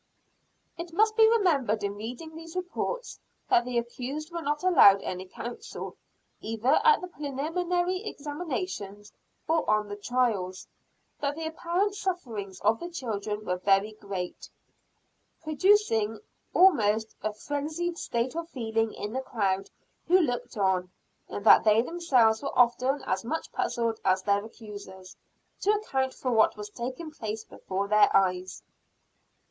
It must be remembered in reading these reports, that the accused were not allowed any counsel, either at the preliminary examinations, or on the trials; that the apparent sufferings of the children were very great, producing almost a frenzied state of feeling in the crowd who looked on; and that they themselves were often as much puzzled as their accusers, to account for what was taking place before their eyes.